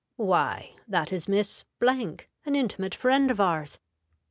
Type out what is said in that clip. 'Why, that is Miss , an intimate friend of ours.'